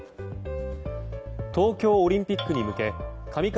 東京オリンピックに向け上川